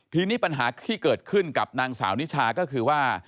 ทีนี้ปัญหาที่เกิดขึ้นกับนางสาวนิชาก็คือว่า